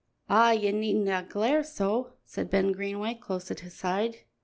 "Ah, ye needna glare so!" said Ben Greenway, close at his side.